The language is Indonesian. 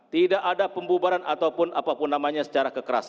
tidak ada pembubaran ataupun apapun namanya secara kekerasan